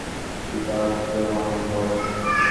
বিপ্রদাস বংশের বড়ো ছেলে।